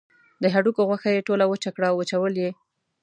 د هډوکو غوښه یې ټوله وچه کړه وچول یې.